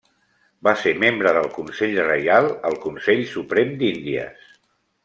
Va ser membre del consell reial, al Consell Suprem d'Índies.